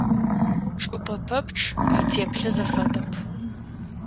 Чӏыпӏэ пэпчъ итеплъэ зэфэдэп.